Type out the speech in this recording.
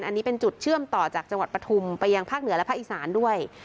อันนี้เป็นจุดเชื่อมต่อจากจังหวัดปฐุมไปยังภาคเหนือและภาคอีสานด้วย